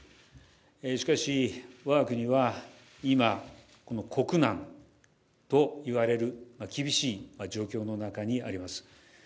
しかし、我が国は今、国難といわれる厳しい状況の中にあります。